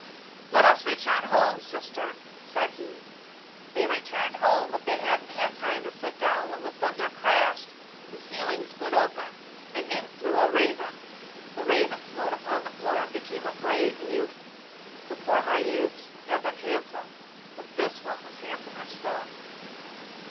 'Let us return home, sister!' said he. They returned home, but they hadn't had time to sit down when the thunder crashed, the ceiling split open, and in flew a raven. The Raven smote upon the floor and became a brave youth. The former youths had been handsome, but this one was handsomer still.